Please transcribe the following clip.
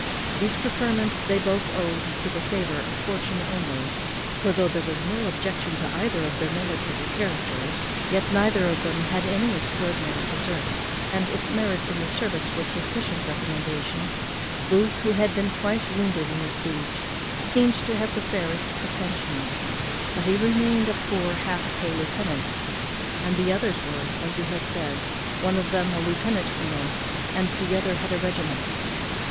These preferments they both owed to the favour of fortune only; for, though there was no objection to either of their military characters, yet neither of them had any extraordinary desert; and, if merit in the service was a sufficient recommendation, Booth, who had been twice wounded in the siege, seemed to have the fairest pretensions; but he remained a poor half pay lieutenant, and the others were, as we have said, one of them a lieutenant colonel, and the other had a regiment.